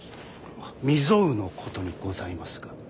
未曽有のことにございますが。